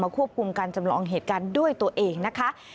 ควบคุมการจำลองเหตุการณ์ด้วยตัวเองนะคะ